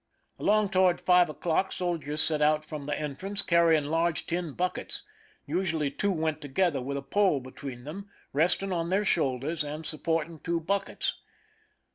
Along toward five o'clock soldiers set out from the entrance, carrying large tin buckets ; usually two went together, with a pole between them, resting on their shoulders and supporting two buckets.